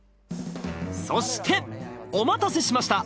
そしてお待たせしました！